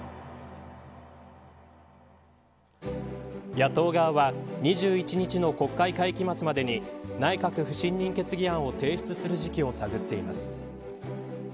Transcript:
野党側は２１日の国会会期末までに内閣不信任決議案を提出する時期を探っています。